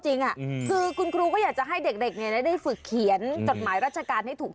อันนั้นจดหมายส่วนตัว